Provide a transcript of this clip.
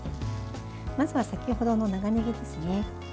まずは先ほどの長ねぎですね。